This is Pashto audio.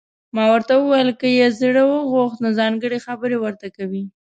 ما ورته وویل: که یې زړه وغوښت، نو ځانګړي خبرې ورته کوي.